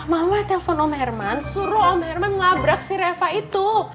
mama telepon om herman suruh om herman nabrak si reva itu